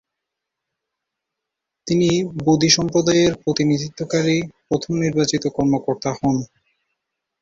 তিনি বদি সম্প্রদায়ের প্রতিনিধিত্বকারী প্রথম নির্বাচিত কর্মকর্তা হন।